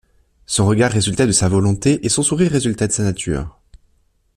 Son regard résultait de sa volonté et son sourire résultait de sa nature.